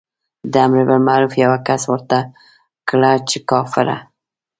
د امر بالمعروف یوه کس ورته کړه چې کافره.